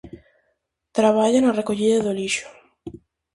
Traballa na recollida do lixo.